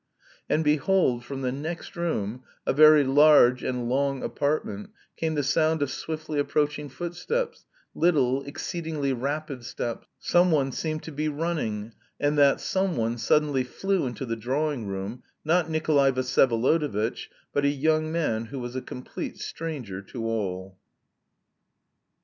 And, behold, from the next room a very large and long apartment came the sound of swiftly approaching footsteps, little, exceedingly rapid steps; someone seemed to be running, and that someone suddenly flew into the drawing room, not Nikolay Vsyevolodovitch, but a young man who was a complete stranger to all.